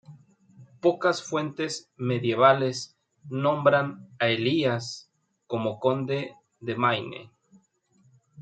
Pocas fuentes medievales nombran a Elías como conde de Maine.